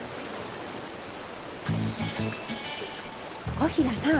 小平さん